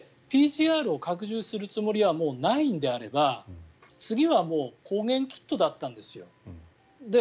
ＰＣＲを拡充するつもりはもうないのであれば次は抗原キットだったんですよ。